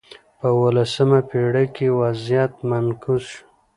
په اولسمه پېړۍ کې وضعیت معکوس شو.